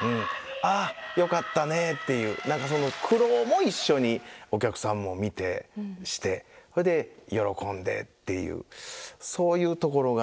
「ああよかったね」っていう何かその苦労も一緒にお客さんも見てしてそれで喜んでっていうそういうところが。